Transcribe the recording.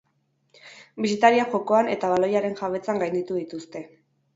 Bisitariak jokoan eta baloiaren jabetzan gainditu dituzte.